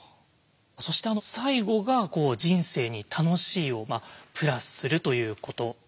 そして最後が「人生に『楽しい』をプラス」するということです。